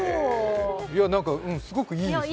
すごくいいですね。